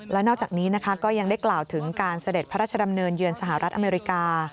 และนอกจากนี้นะคะก็ยังได้กล่าวถึงการเสด็จพระราชดำเนินเยือนสหรัฐอเมริกา